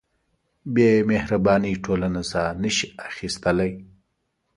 بېمهربانۍ ټولنه ساه نهشي اخیستلی.